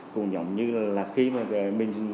cùng nhóm như là khi mà mình